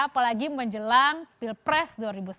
apalagi menjelang pilpres